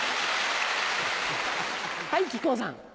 はい木久扇さん。